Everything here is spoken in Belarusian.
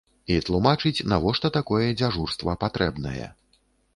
І тлумачыць, навошта такое дзяжурства патрэбнае.